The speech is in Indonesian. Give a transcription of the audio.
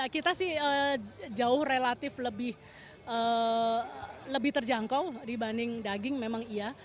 kita sih jauh relatif lebih terjangkau dibanding daging memang iya